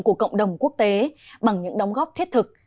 của cộng đồng quốc tế bằng những đóng góp thiết thực